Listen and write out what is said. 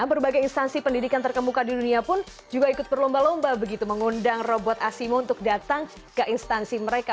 berbagai instansi pendidikan terkemuka di dunia pun juga ikut berlomba lomba begitu mengundang robot asimo untuk datang ke instansi mereka